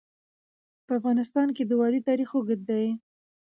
په افغانستان کې د وادي تاریخ اوږد دی.